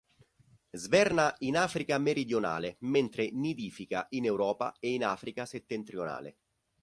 Sverna in Africa meridionale mentre nidifica in Europa e in Africa settentrionale.